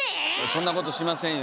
そんなことしませんよ。